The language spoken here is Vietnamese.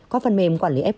các phần mềm quản lý f